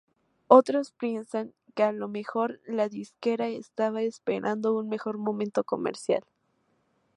Otros piensan que a lo mejor la disquera estaba esperando un mejor momento comercial.